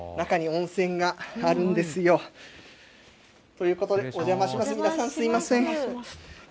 中に温泉があるんですよ。ということで、お邪魔します、皆さん、すみません。